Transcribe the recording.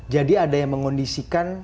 jadi ada yang mengondisikan